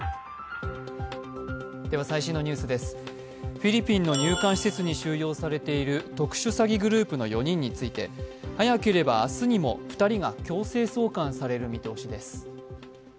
フィリピンの入管施設に収容されている特殊詐欺グループの４人について早ければ明日にも２人が強制送還される見通しです。